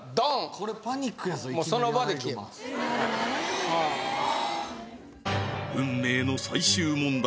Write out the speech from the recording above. これパニックやぞ運命の最終問題